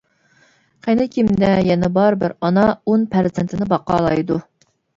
قىنى كىمدە يەنە بار بىر ئانا ئون پەرزەنتىنى باقالايدۇ.